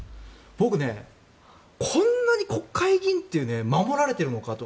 僕、こんなに国会議員って守られているのかと。